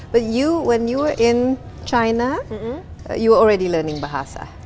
tapi ketika kamu di cina kamu sudah belajar bahasa